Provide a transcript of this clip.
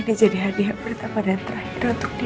ini jadi hadiah pertama dan terakhir untuk nindi